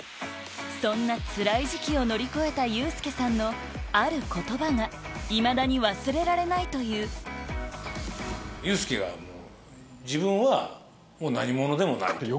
そんなつらい時期を乗り越えたユースケさんのある言葉がいまだに忘れられないという「一生懸命やるしかないんよね」